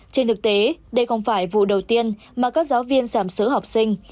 trên thực tế đây không phải vụ đầu tiên mà các giáo viên giảm sớ học sinh